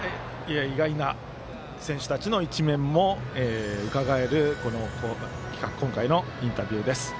意外な選手たちの一面もうかがえる今回のインタビューです。